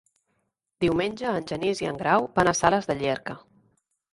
Diumenge en Genís i en Grau van a Sales de Llierca.